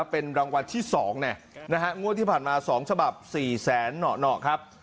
เป็นรางวัลที่๒งวดที่ผ่านมา๒ฉบับ๔แสนหน่อครับ